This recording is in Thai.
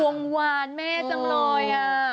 หวงหวานแม่จำลอยอะ